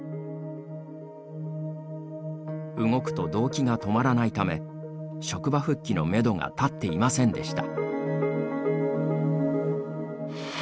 動くと動悸が止まらないため職場復帰のめどが立っていませんでした。